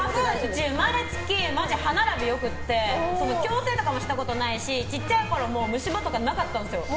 うち、生まれつきマジ歯並びよくて矯正とかもしたことないし小さいころも虫歯とかなかったんですよ。